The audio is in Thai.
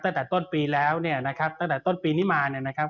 ตั้งแต่ต้นปีแล้วเนี่ยนะครับตั้งแต่ต้นปีนี้มาเนี่ยนะครับ